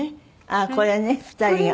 ああこれね２人が。